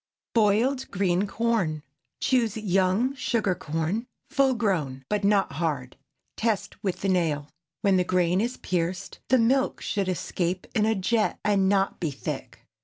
BOILED GREEN CORN. Choose young sugar corn, full grown, but not hard; test with the nail. When the grain is pierced, the milk should escape in a jet, and not be thick.